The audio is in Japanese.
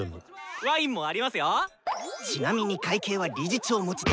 ちなみに会計は理事長持ちで。